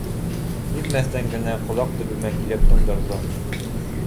— Һиҙмәҫтән генә ҡолаҡ төбөмә килеп тондорҙо.